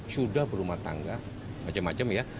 sudah berumah tangga macam macam ya